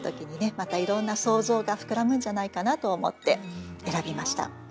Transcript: またいろんな想像が膨らむんじゃないかなと思って選びました。